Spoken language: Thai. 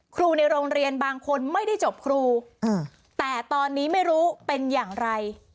ครูในโรงเรียนบางคนไม่ได้จบครูแต่ตอนนี้ไม่รู้เป็นอย่างไร